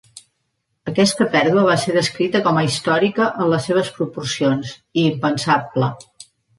Aquesta pèrdua va ser descrita com a "històrica" en les seves proporcions, i "impensable".